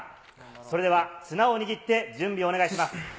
それでは綱を握って準備をお願いします。